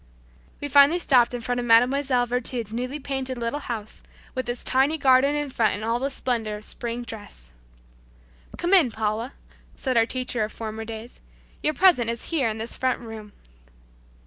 We finally stopped in front of Mlle. Virtud's newly painted little house, with its tiny garden in front in all the splendor of its spring dress. "Come in, Paula," said our teacher of former days. "Your present is in here in this front room."